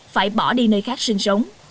phải bỏ đi nơi khác sinh sống